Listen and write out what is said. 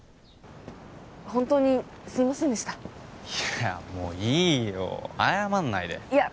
ホントにすいませんでしたいやもういいよ謝んないでいや